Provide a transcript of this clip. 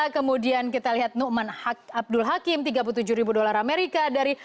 kemudian kita lihat nukman abdul hakim tiga puluh tujuh ribu dolar amerika